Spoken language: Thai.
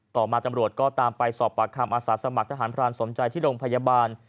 ต่อมาตำรวจก็ตามไปสอบปากคำอาสาสมัครทหารพรานสมใจที่โรงพยาบาล